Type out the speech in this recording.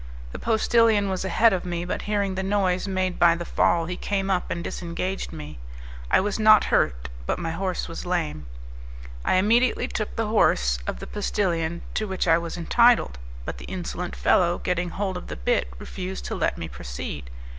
The postillion was ahead of me, but hearing the noise made by the fall he came up and disengaged me; I was not hurt, but my horse was lame. I immediately took the horse of the postillion, to which I was entitled, but the insolent fellow getting hold of the bit refused to let me proceed.